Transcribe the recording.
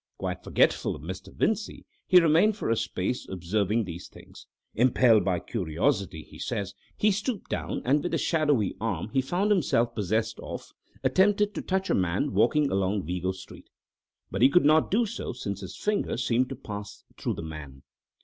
Quite forgetful of Mr. Vincey, he remained for a space observing these things. Impelled by curiosity, he says, he stooped down, and, with the shadowy arm he found himself possessed of, attempted to touch a man walking along Vigo Street. But he could not do so, though his finger seemed to pass through the man.